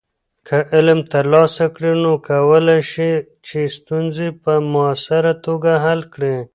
که علم ترلاسه کړې، نو کولی شې چې ستونزې په مؤثره توګه حل کړې.